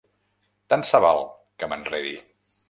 Tant se val que m'enredi.